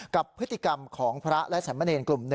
กับพฤติกรรมของพระและสามเณรกลุ่ม๑